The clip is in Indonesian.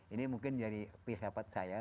ini mungkin jadi pilihan saya